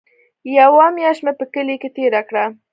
يوه مياشت مې په کلي کښې تېره کړه.